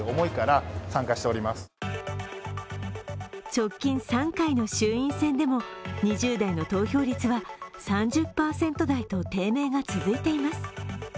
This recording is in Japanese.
直近３回の衆院選でも２０代の投票率は３０％台と低迷が続いています。